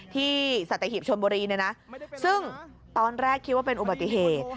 ที่สัตยาหีบชวนบุรีนะซึ่งตอนแรกคิดว่าเป็นอุบัติเหตุ